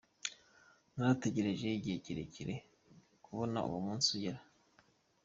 Narategereje igihe kirekire kubona uwo munsi ugera.